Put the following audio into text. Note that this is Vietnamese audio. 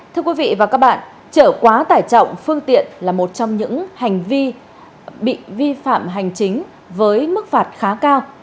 thưa quý vị và các bạn trở quá tải trọng phương tiện là một trong những hành vi bị vi phạm hành chính với mức phạt khá cao